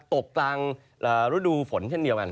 ตกกลางฤดูฝนเช่นเดียวกัน